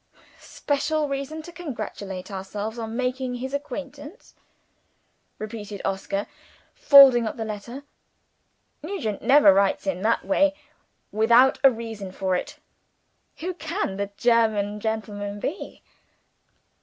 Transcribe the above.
'Special reason to congratulate ourselves on making his acquaintance.'" repeated Oscar, folding up the letter. "Nugent never writes in that way without a reason for it. Who can the German gentleman be?"